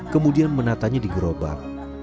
kemudian menatanya di gerobak